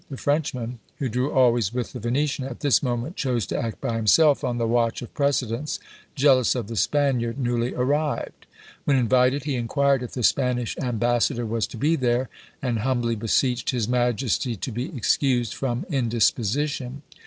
The Frenchman, who drew always with the Venetian, at this moment chose to act by himself on the watch of precedence, jealous of the Spaniard newly arrived. When invited, he inquired if the Spanish ambassador was to be there? and humbly beseeched his majesty to be excused, from indisposition.